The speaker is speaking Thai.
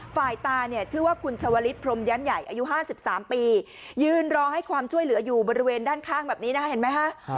ฝ่ายตาเนี่ยชื่อว่าคุณชวลิศพรมแย้มใหญ่อายุ๕๓ปียืนรอให้ความช่วยเหลืออยู่บริเวณด้านข้างแบบนี้นะเห็นไหมฮะ